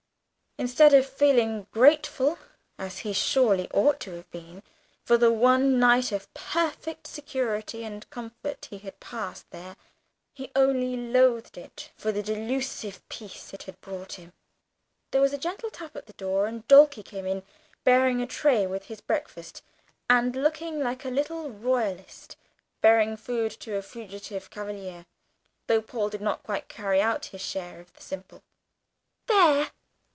Instead of feeling grateful (as he surely ought to have been) for the one night of perfect security and comfort he had passed there, he only loathed it for the delusive peace it had brought him. There was a gentle tap at the door, and Dulcie came in, bearing a tray with his breakfast, and looking like a little Royalist bearing food to a fugitive Cavalier; though Paul did not quite carry out his share of the simile. "There!"